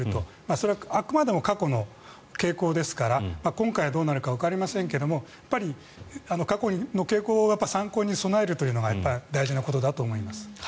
それはあくまでも過去の傾向ですから今回どうなるかわかりませんけど過去の傾向を参考に備えるというのが大事なことだと思います。